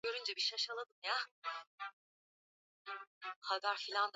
ishtua serikali ya rwanda na kupelekea balozi wake nchini uholanzi emaculate wayigibigira